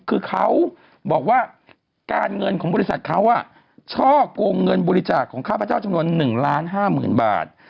คือเขาบอกว่าการเงินของบริษัทเขาช่อกงเงินบริจาคของข้าพเจ้าจำนวน๑๕๐๐๐บาท